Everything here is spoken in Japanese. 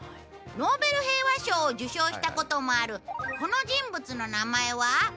ノーベル平和賞を受賞した事もあるこの人物の名前は？